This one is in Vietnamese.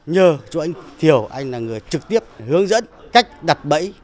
nhờ chỗ anh thiểu anh là người trực tiếp hướng dẫn cách đặt bẫy